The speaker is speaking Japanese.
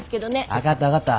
分かった分かった。